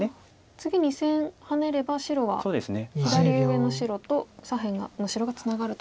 次２線ハネれば白は左上の白と左辺の白がツナがると。